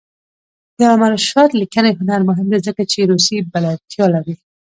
د علامه رشاد لیکنی هنر مهم دی ځکه چې روسي بلدتیا لري.